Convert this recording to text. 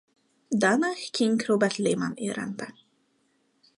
Danach ging Robert Lehmann in Rente.